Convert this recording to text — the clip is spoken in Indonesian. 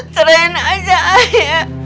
cerain aja ayah